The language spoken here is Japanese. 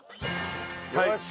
よし！